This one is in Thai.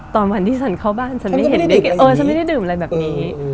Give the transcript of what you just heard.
ตอนที่ฉันเข้าบ้านฉันไม่เห็นเออฉันไม่ได้ดื่มอะไรแบบนี้